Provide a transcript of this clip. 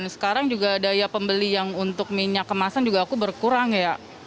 sekarang juga daya pembeli yang untuk minyak kemasan juga aku berkurang ya